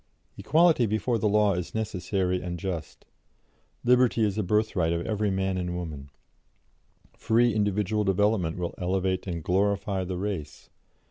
Equality before the law is necessary and just; liberty is the birthright of every man and woman; free individual development will elevate and glorify the race.